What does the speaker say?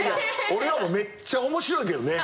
俺はめっちゃ面白いけどね。